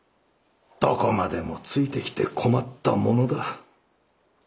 どこまでもついてきて困ったものだ。